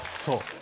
そう。